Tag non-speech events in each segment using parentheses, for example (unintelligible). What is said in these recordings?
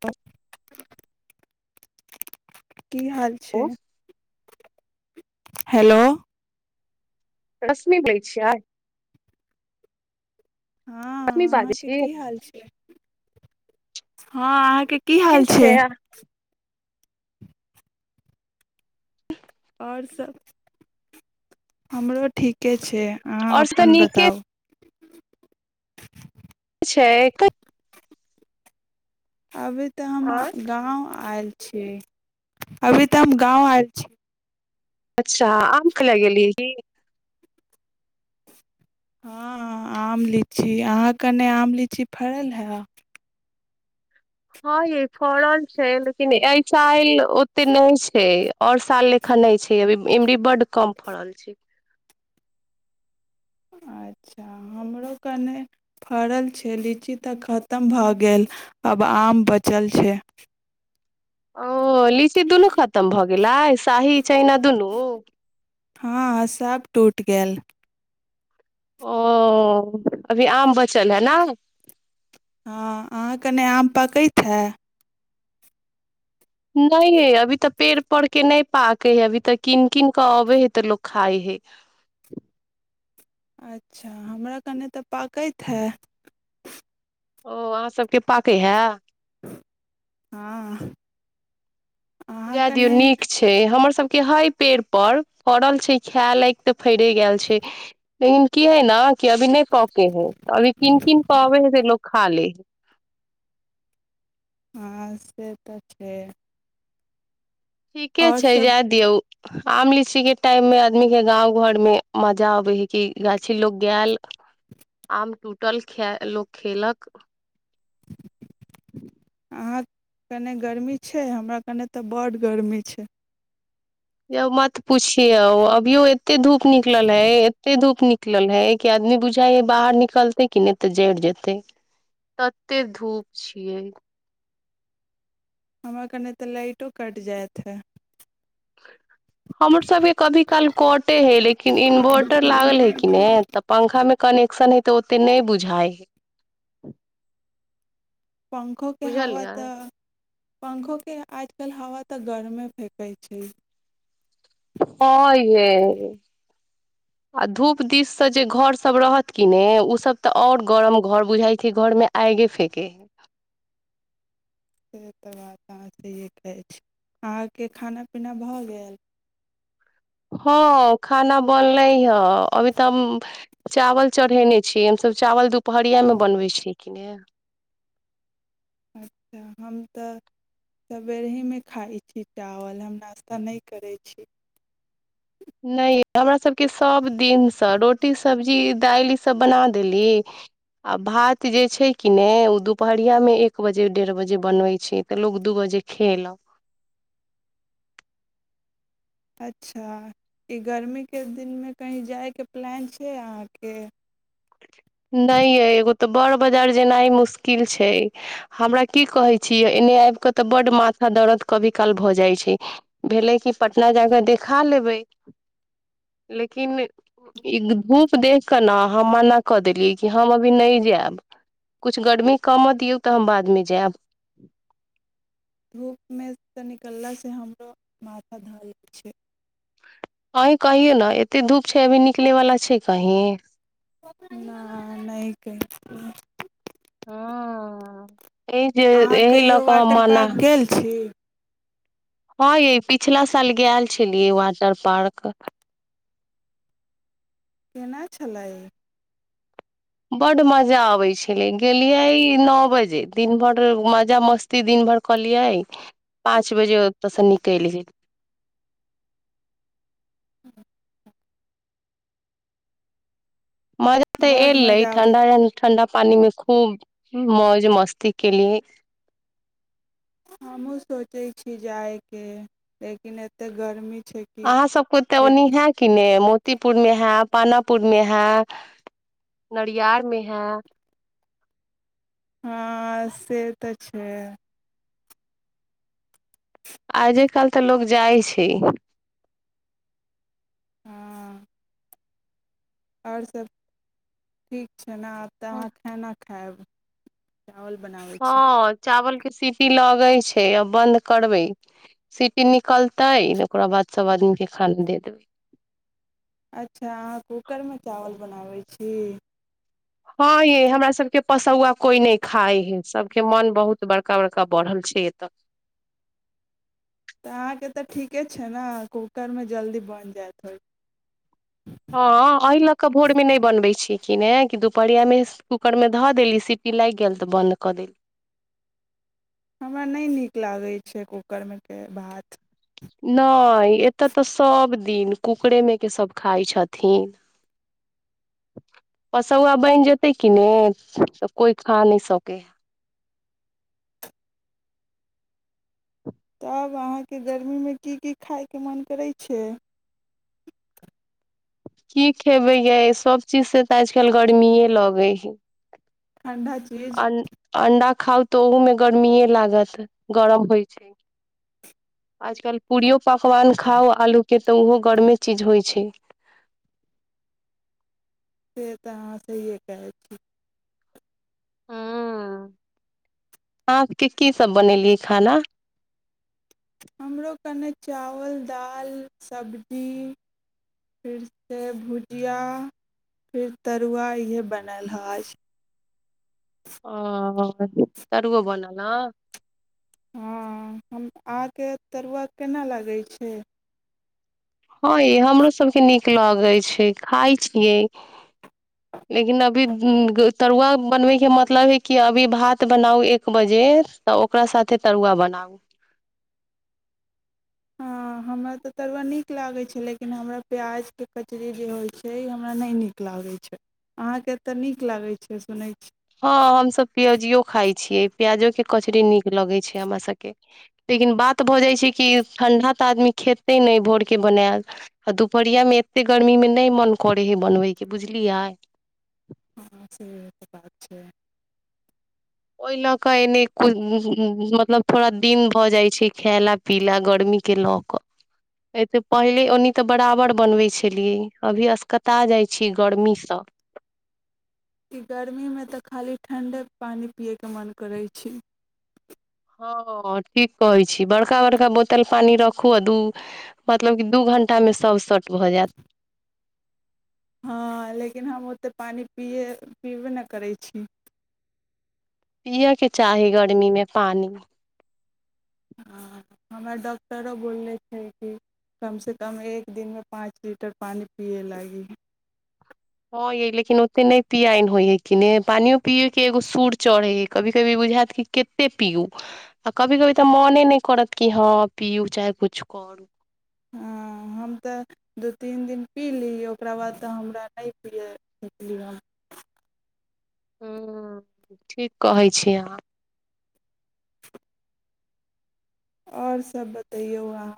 त की हाल छै ओ हेलो रश्मि बजै छियइ हँ रश्मि बाजै अहाँके छी की हाल छै हँ अहाँ के की हाल छै और सब हमरो ठीके छै अहाँ आओर तऽ अपन नीके बताउ छै अभी तऽ हम आँय गाँव आयल छी अभी तऽ हम गाँव आयल छी अच्छा आम खाय लए गेलियै की हँ आम लीची अहाँ के नहि आम लीची फड़ल हए हँ यै फरल छै लेकिन अय चाइल ओते नहि छै आओर साल लेखन नहि छै अभी इमरी बड कम फड़ल छै अच्छा हमरो कने फड़ल छै लीची तऽ खतम भऽ गेल आब आम बचल छै ओ लीची दुनू खतम भऽ गेल गेलाइ साही चैना दुनु हँ सभ टूटि गेल ओ अभी आम बचल है ना हँ अहाँ केँ नै आम पकैत हए नहि यै अभी तऽ पेड़ पर के नहि पाके है अभी तऽ कीन कीन कऽ अबे है तऽ लोक खाइ है अच्छा हमरा कनि तऽ पाकैत हइ ओ अहाँ सबके पाके है हँ अहाँ जाए दियौ कने नीक छै हमर सब के हे पेड़ पर फड़ल छै खाय लक तऽ फड़े गेल छै लेकिन की हे न कि अभी नहि पके है अभी किन किन पवै है तो लोक खा ले हँ से तऽ छै ठीके आओर छै सब जाय दियौ आम लीची के टाइम मे आदमी के गाँव घरमे मजा अबै हइ कि गाछी लोक गल आम टूटल ख लोक खयेलक अहाँ कने गर्मी छै हमरा कने तऽ बड गर्मी छै यो मात पूछि यौ अभियो एते धूप निकल हैय एते धूप निक निकलल हे कि आदमी बुझााय हे बाहर निकलते कि नहि ते जड़ जेते तते धूप छियै हमरा कने तऽ लाइटो कटि जायइत हे हमर सबके कभी काल कटे हय लेकिन इन्वर्टर लागल है कि नहि तऽ पंखामे कनेक्शन है तऽ ओते नहि बुझाइ है पंखो के हवा बुझलियै तऽ पखो के आयकल हवा तऽ गर्मे फेकैत छै ह यै आ धूप दिस से जे घर सब रहत कि ने ओ सब तऽ आऔर गरम घर बुझाई छै घरमे आगे फेके है से तऽ बात अहाँ सँ इ कहै छी अहाँके खाना पीना भऽ गेल हँ खाना बनलै हे अभी तऽ हम चावल चढ़ेने छी हमसभ चावल सब दूप पहरिया में बनबै छी इ किने अच्छा हम तऽ सवेरेमे खाइ छी चावल हम नाश्ता नहि करै छी नहि हमरा सभके सभदिनसँ रोटी सब्जी दालि ईसभ बना देली आ भात जे छै कि नहि ओ दुपहरियामे एक बजे डेढ़ बजे बनबै छै तऽ लोक दू बजे खयलक अच्छा ई गर्मीके दिनमे कहीँ जायके प्लान छै अहाँके नहि य तऽ बड़ मुश्किल छै। हमरा की कहै छी, एना आब तऽ बड़ माथदर्द कहियो-काल्हि भऽ जाइ छै। भले पटना जा कऽ देखा लेब, लेकिन ई धूप देखिकऽ ने कहि दियौ, हम बुझलहुँ। धूपमेसँ निकलासँ हमरो माथा धर लै छै अहीं कहियौ ने एते धूप छै अभी निकलेवला छै कहीं नहि (unintelligible) हँ एहि जे अहाँ एहि लऽ कहियो कऽ हम वाटर मना पार्क गेल छी हँ ये पिछिला साल गेल छलियै वाटर पार्क केना छलय बड्ड मजा अबै छलै गेलियै न बजे दिन भरि मजा मस्ती दिन भरि कलियै पाँच बजे ओतयसँ निकलि गेलै ह्म मजा तऽ बड्ड एलै मजा अबै ठण्डा ठण्डा पानि मे खूब मौज मस्ती केलिये हमहूँ सोचैत छी जायके लेकिन एतेक गर्मी छै कि अहाँ सभ को तऽ ओनी लेकिन है कि ने मोतीपुर मे है पानापुर मे है नरियार मे है हँ से तऽ छै आज कल तऽ लोकोग जाइ छै हँ आओर सभ ठीक छै खना आब तऽ अहाँ खाना खायएब हँ चावल सीटी लगे छै आ बंन्द करबै सीटी निकलतै ओकरा बाद सभ आदमी के खाना दे देबै अच्छा अहाँ कूकर में चावल बनाबैत छी छ हँ ये हमरा सभके पसौआ कोइ नहि खाइ है सभके मन बहुत बड़का बड़का बढ़ल छै एतय तऽ अहाँके तऽ ठीके छै ने कूकरमे जल्दी बनि जायत हो हँ एहि लऽ कऽ भोरमे नहि बनबै छिय कि नहि कि दुपहरियामे कूकरमे धऽ देली सीटी लागि गेल तऽ बन्द कऽ देली हमरा नहि नीक लागै छै कूकरमेके भात नहि एतय तऽ सभ दिन कुकरे मे के सभ खाय छथिन पसौआ बनि जेतै कि ने तऽ कोई खा नहि सकै है तब अहाँके गर्मीमे की की खायके मोन करै छै की खेबै यै सभ चीज से तऽ आजकल गर्मीे लगै ह ठण्ढा चीज अ अडाक खाउ तऽ ओमे गरम लागत गरम होइ छै आजकल पूियो पकवान खाउ आलूके तऽ ओहो ग चीज होइ छै से तऽ अहाँ सहिए कहै छी ह आाँके कीसभ बनेलियै खाना हमरो कने चावल दालि सबजी फेरसँ भुजिया फेर तरुआ इएह बनल अछि अछि हं ओ तरुओ बनल न हँ हम अहाँके तरुआ केना लागै छै हँ य हमरो सभके नीक लगै छै खाइ छियै लेकिन अभी तरुआ बनबैके मतलब हइ कि अभी भात बनाउ एक बजे तऽ ओकरा साथे तरुआ बनाउ हँ हमरा तऽ तरुआ नीक लागैत छै लेकिन हमरा प्याजके कचरी जे होइत छै ई हमरा नहि नीक लागैत छै अहाँकेँ तय नीक लागैत छै सुनैत हँ हमसभ प्यजियो खाइ छियै प्याजोके कचरी नीक लगैत छै हमर सभके लेकिन बात भऽ जाइत छै कि ठण्डा तऽ आदमी खेतै नहि भोरके बनायल आ दुपहरियामे एतेक गर्मीमे नहि मन करैत हइ बनबैके बुझलियै हँ सेएहसभ बात छै ओहि लऽ कऽ एन्ने मतलब थोड़ा दिन भऽ जाइ छै खयला पीला गर्मीके लऽ कऽ एहिसँऽ पहिले ओनी तऽ बराबर बनबै छलियै अभी अस्कता जाइ छीयै गर्मीसँ ई गरमीमे तऽ खाली ठण्ढे पानि पियैके मोन करै छै हँ ठीक कहैत छी बड़का बड़का बोतल पानि रखू आ दू मतलब कि दू घंटामे सभ स भऽ जायत हँ लेकिन हम ओतेक पानि पियए पीबे नहि करै छी पियके चाही गर्मीमे पानि हँ हमरा डॉक्टरो बोललै छै कि कमसँ कम एक दिनमे पाँच लीटर पानि पियै लागी हँ यइ लेकिन ओतेक नहि पियआइन होइ हइ कि नहि पानिओ पियैके एगो सर चढ़ै हइ कभी कभी बुझायत कि कतेक पियू आ कभी कभी तऽ मोने नहि करत कि हँ पियू चाहे किछु करू हँ हम तऽ दू तीन दिन पीलीै ओकरा बाद तऽ हमरा नहि पियै सचली हम हुं ठीक कहै छी अहाँ आओर सभ बतैयौ अहां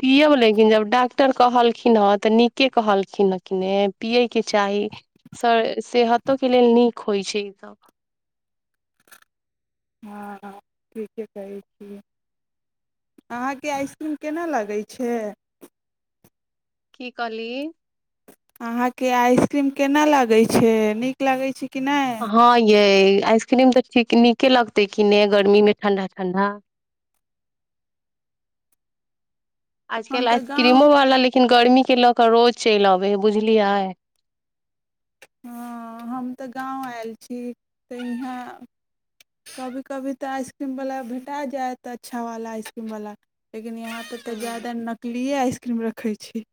पियब लेकिन जब डॉक्टर कहलखिन हेँ तऽ नीके कहलखिन हे कि पियएके चाही स सेहतो के लेल नीक होइ छै ई सभब हँ ठीके कहै छी अहाँके आइसक्रीम केना लगै छै की कहली अहाँके आइसक्रीम केना लागैत छै नीक लगैत छै कि नहि हँ यै आइसक्रीम तऽ ठीक नीके लगतै कि नहि गर्मीमे ठण्डा ठण्डा हम आजकल तऽ गाँव आइसक्रीमो बाला लेकिन गर्मी के लऽ कऽ रोज चलि अबै है बुझलियै हँ हम तऽ गाँव आयल छी तऽ इहाँ कभी कभी तऽ आइसक्रीमवला भेटा जायत अच्छावला आइसक्रीमवला यहाँ तऽ हूँ जादा नकली ये आइसक्रीम रखै छै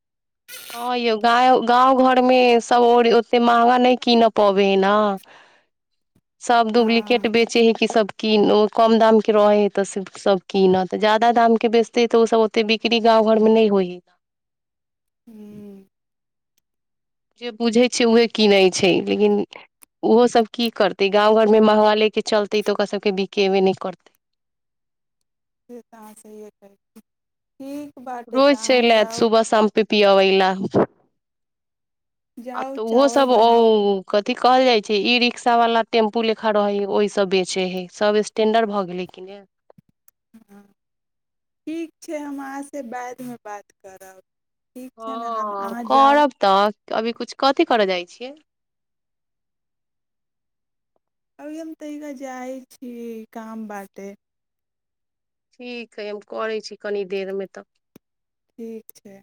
हँ यौ गा गाँव घरमे सभ आर ओतेक महँगा नहि कीनय पबै ह ने सब हँ डुप्लीकेट बेचै है की सब कीन ओ कम दामके रहै हइ तऽ सेसभ कीनत ज्यादा दामके बेचतैइ तऽ ओसभ ओतेक बिक्री गाँव घरमे नहि होइ हइए ह्म (inaudible) जे बुझै छै उएह कीनै छै लेकिन ओहोसभ की करतै गाँव घरमे महगा लेके चलतै तऽ ओकरा सभके बिकेबे नहि करतै सेेर तऽ अहाँसँ सहिए कहै छी ठीक बाटे तऽ अहाँ जाउ पिआबैला आ जाउ तऽ ओहो चावल सब बनाउ ओ अथी कहल जाइ छै ई रिक्शावला टेम्पू लेखा रहै हइ ओहिसँ बेचै हइ सभ स्टैंडर्ड भऽ गेलै कि ने ह ठीक छै हम अहाँसँ बादमे बात करब ठीक छै ने आब ह अहाँ जाउ करब तऽ तऽ अभी कछु कथी करऽ जाइ छियै अभी हम तइला जाइ छी काम बाटे ठीक हइ हम करै छी कनि देरमे तऽ ठीक छै